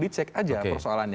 dicek aja persoalannya